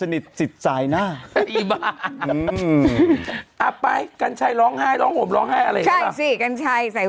มึงเอาไปกันชายร้องไห้เรื่องมือห่วงให้อะไรเนอะคเลกมันใช้เดรสเอา